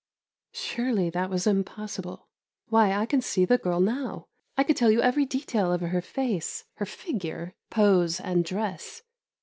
Surely that was impossible. Why, I can see the girl now; I could tell you every detail of her face, her figure, pose, and dress.